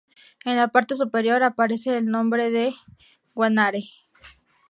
En la parte superior aparece el nombre de Guanare.